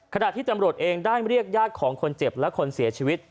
ขณะที่ตำรวจเองได้เรียกญาติของคนเจ็บและคนเสียชีวิต